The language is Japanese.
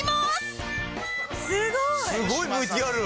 すごい！